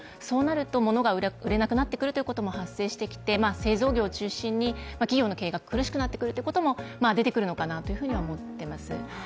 そうなると物が売れなくなってくるということも発生してきて製造業を中心に、企業経営が苦しくなってくるということも出てくるのかなと思っています。